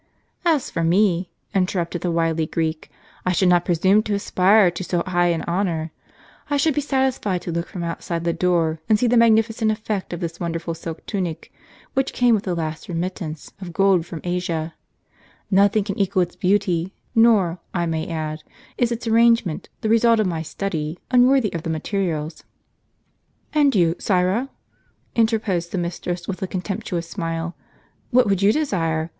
" As for me," interrupted the wily Greek, " I should not presume to aspire to so high an honor. I should be satisfied to look from outside the door, and see the magnificent effect of this wonderful silk tunic, which came with the last remit * The dininff liall. f Black antimony applied on the eyelids. ©"^ w tance of gold from Asia. Nothing can equal its beauty ; nor, I may add, is its arrangement, the result of my study, unworthy of the materials." "And you, Syra," interposed the mistress, with a con temptuous smile, "what would you desire?